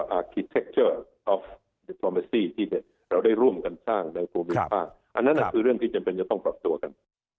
อันนั้นคือเรื่องที่จำเป็นจะต้องปรับตัวกัน